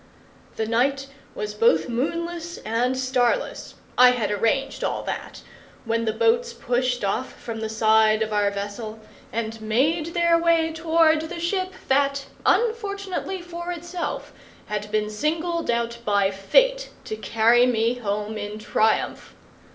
The night was both moonless and star less I had arranged all that when the boats pushed off from the side of our vessel, and made their way toward the ship that, unfortunately for itself, had been singled out by Fate to carry me home in triumph.